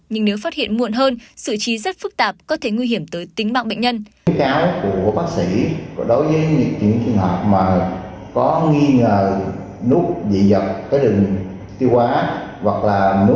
nhưng nếu phát hiện muộn hơn sự trí rất phức tạp có thể nguy hiểm tới tính mạng bệnh nhân